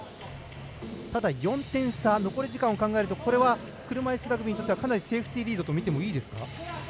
ただ、４点差残り時間を考えると車いすラグビーに関してはかなりセーフティーリードとみていいですか。